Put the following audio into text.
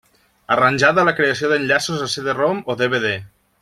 Arranjada la creació d'enllaços a CD-ROM o DVD.